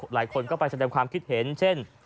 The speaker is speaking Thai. หลายคนก็ไปแสดงความคิดเห็นเช่น